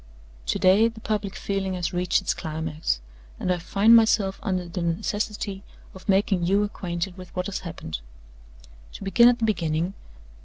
To day the public feeling has reached its climax, and I find myself under the necessity of making you acquainted with what has happened. "To begin at the beginning.